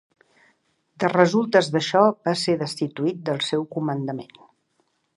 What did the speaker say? De resultes d'això va ser destituït del seu comandament.